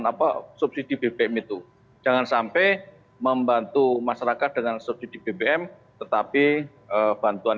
apa subsidi bbm itu jangan sampai membantu masyarakat dengan subsidi bbm tetapi bantuan